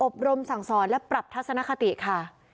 อบรมสั่งสอนและปรับธรรมคาติค่ะ